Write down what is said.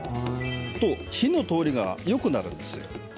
それと火の通りがよくなるんです。